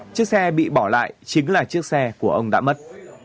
chiếc xe bị bỏ lại chính là chiếc xe của ông đã mất